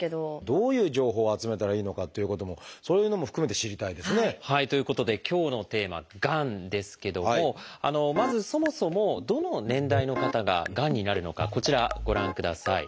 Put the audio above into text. どういう情報を集めたらいいのかっていうこともそういうのも含めて知りたいですね。ということで今日のテーマ「がん」ですけどもまずそもそもどの年代の方ががんになるのかこちらご覧ください。